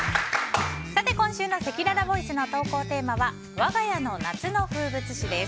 今週のせきららボイスの投稿テーマはわが家の夏の風物詩です。